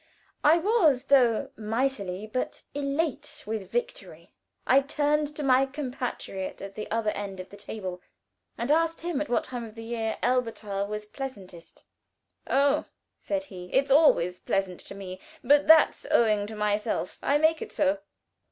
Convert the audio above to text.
I was, though, mightily; but, elate with victory, I turned to my compatriot at the other end of the table, and asked him at what time of the year Elberthal was pleasantest. "Oh," said he, "it's always pleasant to me, but that's owing to myself. I make it so."